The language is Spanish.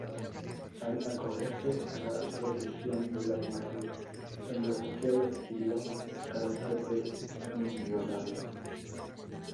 Al acogerse a la protección de la imagen, el refugiado adquirió carácter de inviolable.